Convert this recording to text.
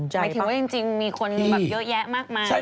หมายถึงว่าจริงมีคนแบบเยอะแยะมากมาย